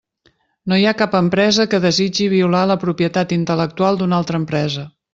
No hi ha cap empresa que desitgi violar la propietat intel·lectual d'una altra empresa.